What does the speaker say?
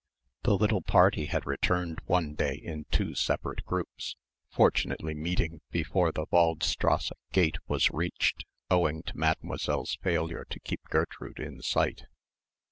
The little party had returned one day in two separate groups, fortunately meeting before the Waldstrasse gate was reached, owing to Mademoiselle's failure to keep Gertrude in sight.